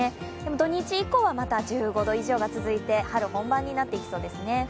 土日以降はまた１５度以上が続いて春本番になっていきそうですね。